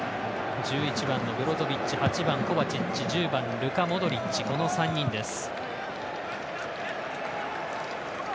１１番のブロゾビッチ８番、コバチッチ１０番、ルカ・モドリッチこの３人です。